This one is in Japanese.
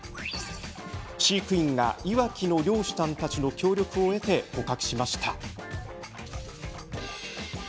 飼育員がいわきの漁師さんたちの協力を得て、捕獲しました。